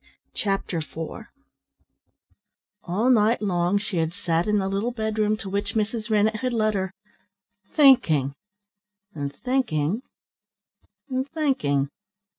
Chapter IV All night long she had sat in the little bedroom to which Mrs. Rennett had led her, thinking and thinking and thinking.